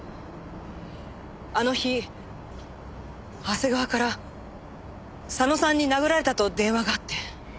あの日長谷川から佐野さんに殴られたと電話があって。